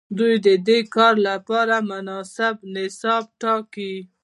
دوی ددې کار لپاره مناسب نصاب ټاکي.